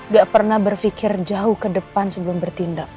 gak pernah berpikir jauh ke depan sebelum bertindak